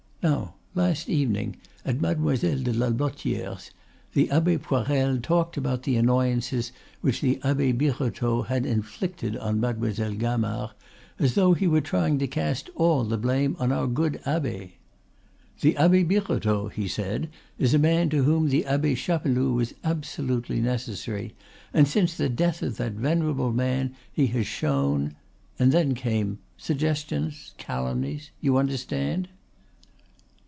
Now last evening, at Mademoiselle de la Blottiere's the Abbe Poirel talked about the annoyances which the Abbe Birotteau had inflicted on Mademoiselle Gamard, as though he were trying to cast all the blame on our good abbe. 'The Abbe Birotteau,' he said, 'is a man to whom the Abbe Chapeloud was absolutely necessary, and since the death of that venerable man, he has shown' and then came suggestions, calumnies! you understand?"